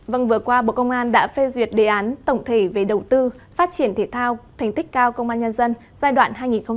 vâng vừa qua bộ công an đã phê duyệt đề án tổng thể về đầu tư phát triển thể thao thành tích cao công an nhân dân giai đoạn hai nghìn một mươi sáu hai nghìn hai mươi